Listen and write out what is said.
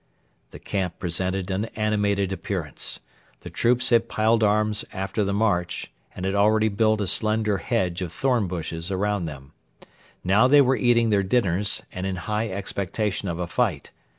The camp presented an animated appearance. The troops had piled arms after the march, and had already built a slender hedge of thorn bushes around them. Now they were eating their dinners, and in high expectation of a fight.